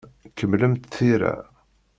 Kemmlemt tira.